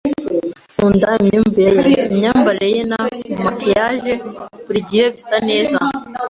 Nkunda imyumvire ye. Imyambarire ye na maquillage buri gihe bisa neza.